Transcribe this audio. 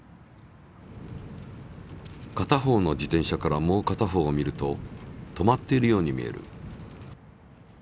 片方の自転車からもう片方を見ると止まっているように見える。